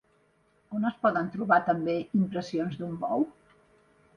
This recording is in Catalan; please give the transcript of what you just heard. On es poden trobar també impressions d'un bou?